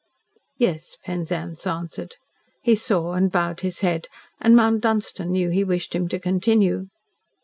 "Yes," Penzance answered. He saw, and bowed his head, and Mount Dunstan knew he wished him to continue.